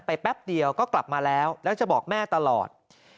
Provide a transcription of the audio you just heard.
แป๊บเดียวก็กลับมาแล้วแล้วจะบอกแม่ตลอด